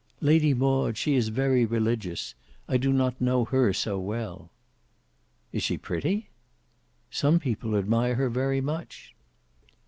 "Lady Maud: she is very religious. I do not know her so well." "Is she pretty?" "Some people admire her very much."